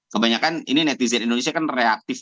kebanyakan ini netizen indonesia kan reaktif